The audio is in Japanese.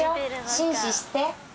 紳士して。